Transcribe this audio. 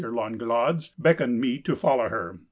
Langlade's, beckoned me to follow her.